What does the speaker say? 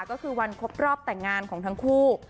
ก็คือวันครบรอบแต่งงานของทั้งคู่